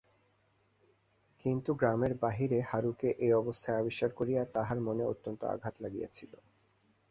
কিন্তু গ্রামের বাহিরে হারুকে এ অবস্থায় আবিষ্কার করিয়া তাহার মনে অত্যন্ত আঘাত লাগিয়াছিল।